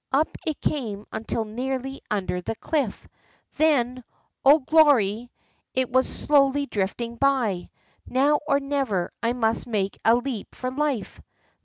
Up it came until nearly under the clilf, then, oh, glory ! it was slowly drifting by. Now or never I must make a leap for life